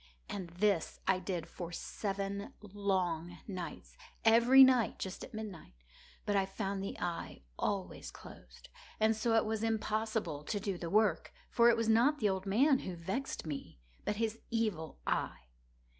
And this I did for seven long nights—every night just at midnight—but I found the eye always closed; and so it was impossible to do the work; for it was not the old man who vexed me, but his Evil Eye.